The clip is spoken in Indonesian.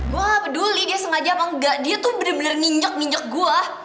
gue gak peduli dia sengaja apa enggak dia tuh bener bener nginjek ninjek gue